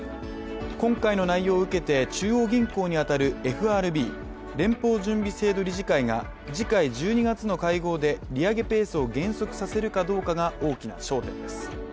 今回の内容を受けて中央銀行に当たるＦＲＢ＝連邦準備制度理事会が次回１２月の会合で利上げペースを減速させるかどうかが大きな焦点です。